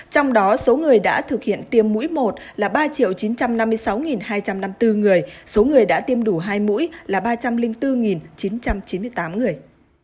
trong đó số người đã thực hiện tiêm mũi một là ba chín trăm năm mươi sáu hai trăm năm mươi bốn người số người đã tiêm đủ hai mũi là ba trăm linh bốn chín trăm chín mươi tám người